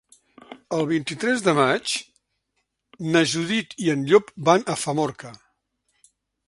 El vint-i-tres de maig na Judit i en Llop van a Famorca.